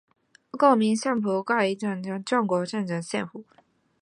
国民政府改组为中华民国政府。